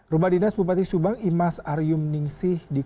rumah dinas bupati subang imas aryuningsi